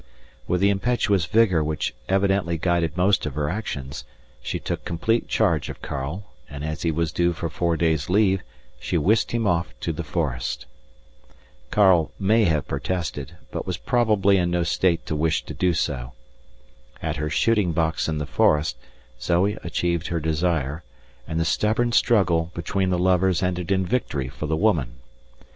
_ _With the impetuous vigour which evidently guided most of her actions, she took complete charge of Karl, and, as he was due for four days' leave, she whisked him off to the forest._ _Karl may have protested, but was probably in no state to wish to do so. At her shooting box in the forest Zoe achieved her desire, and the stubborn struggle between the lovers ended in victory for the woman.